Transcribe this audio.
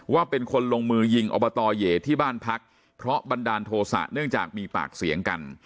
ว่าเป็นคนลงมือยิงอบตเหยที่บ้านพักเพราะบันดาลโทษะเนื่องจากมีปากเสียงกัน